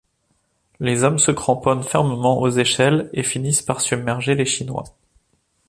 Les hommes se cramponnent fermement aux échelles, et finissent par submerger les Chinois.